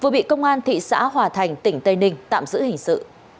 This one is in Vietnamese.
vừa bị công an thị xã hòa thành tỉnh tây ninh tạm giữ hình sự